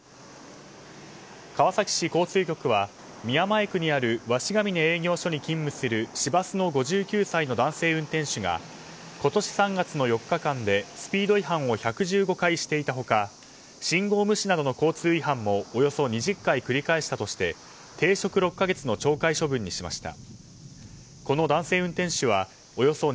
川崎市交通局は宮前区にある鷲ヶ峰営業所に勤務する市バスの５９歳の男性運転手が今年３月の４日間でスピード違反を１１５回していた他信号無視などの交通違反もおよそ２０回繰り返したとして停職６か月の懲戒処分しました。